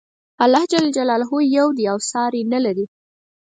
الله ج یو دی او ساری نه لري.